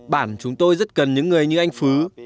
bản chúng tôi rất cần những người như anh phú